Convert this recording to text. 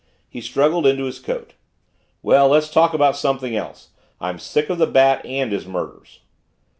He struggled into his coat. "Well, let's talk about something else. I'm sick of the Bat and his murders."